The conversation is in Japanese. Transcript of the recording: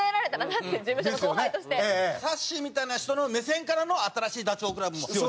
さっしーみたいな人の目線からの新しいダチョウ倶楽部も。必要。